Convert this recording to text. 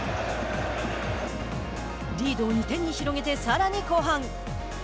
リードを２点に広げて、さらに後半。